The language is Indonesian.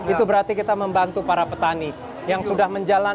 itu berarti kita membantu para petani yang sudah menjalankan